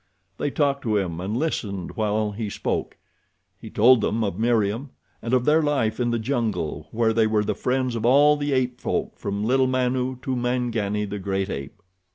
They talked to him and listened while he spoke. He told them of Meriem, and of their life in the jungle where they were the friends of all the ape folk from little Manu to Mangani, the great ape.